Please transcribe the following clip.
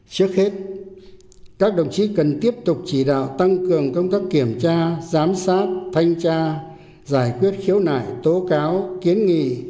trước hết các đồng chí cần tiếp tục chỉ đạo tăng cường công tác kiểm tra giám sát thanh tra giải quyết khiếu nại tố cáo kiến nghị